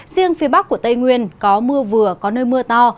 riêng phía bắc của tây nguyên có mưa vừa có nơi mưa to